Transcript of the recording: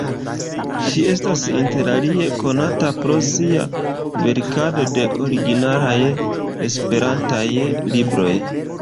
Ŝi estas interalie konata pro sia verkado de originalaj esperantaj libroj.